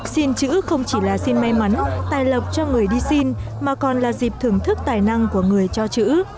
xin chữ không chỉ là xin may mắn tài lộc cho người đi xin mà còn là dịp thưởng thức tài năng của người cho chữ